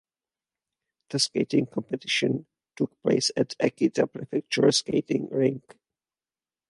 The skating competition took place at Akita Prefectural Skating Rink.